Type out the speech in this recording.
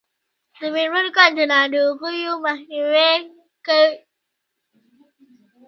د میرمنو کار د ناروغیو مخنیوی کوي.